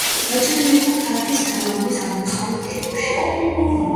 გაჭრილი იყო ქალაქის გალავნის აღმოსავლეთ კედელში.